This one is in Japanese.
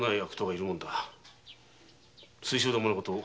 水晶玉のこと